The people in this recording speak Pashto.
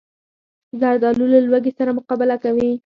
زردالو له لوږې سره مقابله کوي.